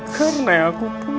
karena aku punya